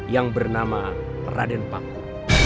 yang bernama raden paku